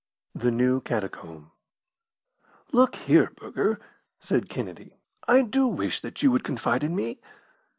The New Catacomb "Look here, Burger," said Kennedy, "I do wish that you would confide in me."